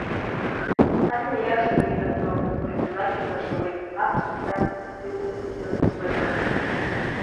Амҩа иаша ухҟьаӡом, уахьцалакгьы лашауеит, аԥсҭҳәа иқәымҵӡоз убаӡом…